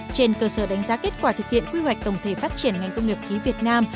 trên cơ sở đánh giá kết quả thực hiện quy hoạch tổng thể phát triển ngành công nghiệp khí việt nam